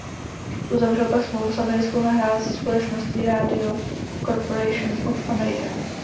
Uzavřel pak smlouvu s americkou nahrávací společností Radio Corporation of America.